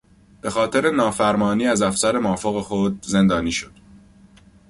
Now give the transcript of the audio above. بهخاطر نافرمانی از افسر مافوق خود زندانی شد.